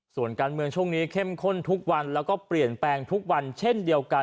ส่วนการเมืองช่วงนี้เข้มข้นทุกวันแล้วก็เปลี่ยนแปลงทุกวันเช่นเดียวกัน